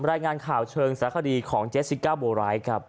รายงานข่าวเชิงสาคดีของเจสสิก้าโบไรครับ